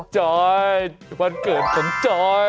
จอยวันเกิดของจอย